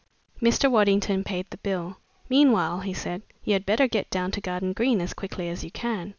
Mr. Waddington paid the bill. "Meanwhile," he said, "you had better get down to Garden Green as quickly as you can.